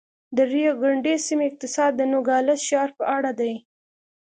د ریو ګرنډي سیمې اقتصاد د نوګالس ښار په اړه دی.